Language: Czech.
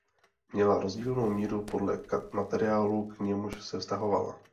Měla rozdílnou míru podle materiálu k němuž se vztahovala.